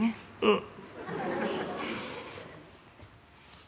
うん。